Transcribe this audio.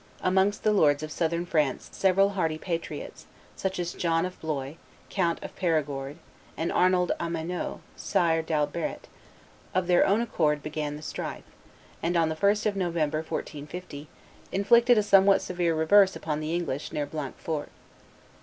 Amongst the lords of Southern France several hearty patriots, such as John of Blois, Count of Perigord, and Arnold Amanieu, Sire d'Albret, of their own accord began the strife, and on the 1st of November, 1450, inflicted a somewhat severe reverse upon the English, near Blanquefort.